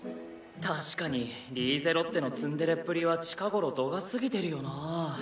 確かにリーゼロッテのツンデレっぷりは近頃度が過ぎてるよなぁ。